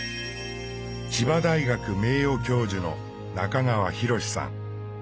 千葉大学名誉教授の中川裕さん。